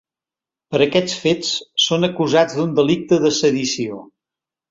Per aquests fets, són acusats d’un delicte de sedició.